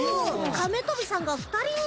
カメとびさんが２人に！